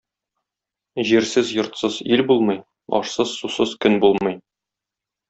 Җирсез-йортсыз ил булмый, ашсыз-сусыз көн булмый.